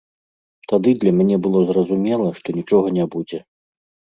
Тады для мяне было зразумела, што нічога не будзе.